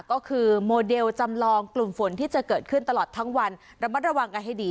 ก็คือโมเดลจำลองกลุ่มฝนที่จะเกิดขึ้นตลอดทั้งวันระมัดระวังกันให้ดี